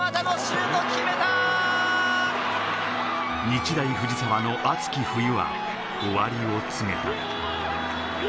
日大藤沢の熱き冬は終わりを告げた。